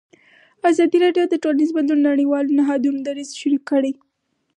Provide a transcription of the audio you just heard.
ازادي راډیو د ټولنیز بدلون د نړیوالو نهادونو دریځ شریک کړی.